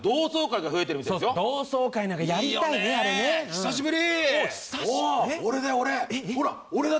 久しぶり！